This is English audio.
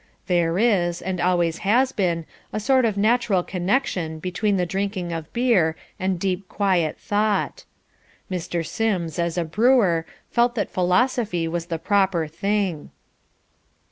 There is, and always has been, a sort of natural connection between the drinking of beer and deep quiet thought. Mr. Sims, as a brewer, felt that philosophy was the proper thing.